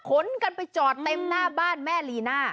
ขนกันไปจอดเต็มหน้าบ้านแม่ลีน่า